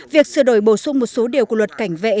việc sửa đổi bổ sung một số điều của luật cảnh vệ